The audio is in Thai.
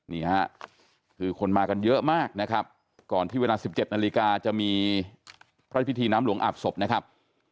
นี่ค่ะคือคนมากันเยอะมากนะครับ